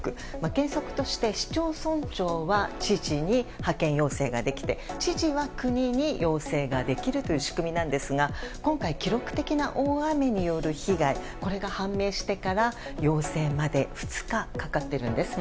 原則として市町村長は知事に派遣要請ができて知事は国に要請ができるという仕組みなんですが、今回記録的な大雨による被害が判明してから要請まで２日かかっているんです。